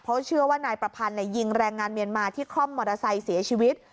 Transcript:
เพราะเชื่อว่านายประพันธ์ยิงแรงงานเมียนมาที่คล่อมมอเตอร์ไซค์เสียชีวิต